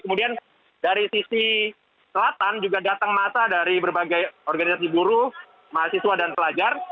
kemudian dari sisi selatan juga datang masa dari berbagai organisasi buruh mahasiswa dan pelajar